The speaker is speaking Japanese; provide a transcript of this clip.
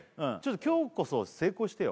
今日こそ成功してよ